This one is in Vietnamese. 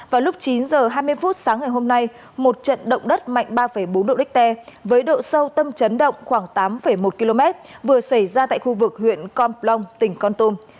vào lúc chín h hai mươi phút sáng ngày hôm nay một trận động đất mạnh ba bốn độ richter với độ sâu tâm chấn động khoảng tám một km vừa xảy ra tại khu vực huyện con plong tỉnh con tum